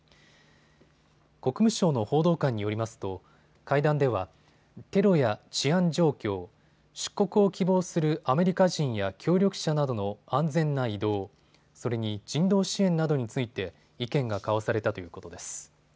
国務省の報道官によりますと会談では、テロや治安状況、出国を希望するアメリカ人や協力者などの安全な移動、それに人道支援などについて意見が交わされたということです。